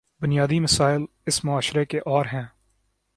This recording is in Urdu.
بنیادی مسائل اس معاشرے کے اور ہیں۔